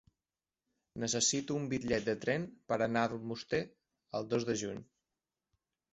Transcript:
Necessito un bitllet de tren per anar a Almoster el dos de juny.